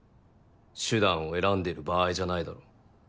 手段を選んでる場合じゃないだろ。